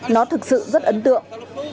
nó thực sự rất ấn tượng